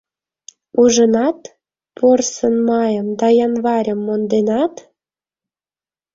Ужынат порсын майым Да январьым монденат?